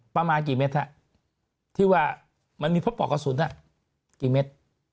ประมาณกี่เมตรที่ว่ามันมีพบปลอกกระสุนกี่เมตร